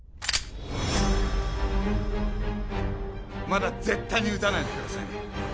まだ絶対に撃たないでくださいね。